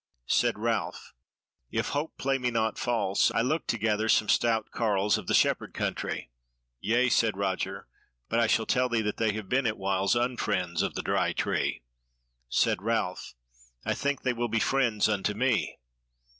Said Ralph: "If hope play me not false, I look to gather some stout carles of the Shepherd Country." "Yea," said Roger, "but I shall tell thee that they have been at whiles unfriends of the Dry Tree." Said Ralph: "I think they will be friends unto me."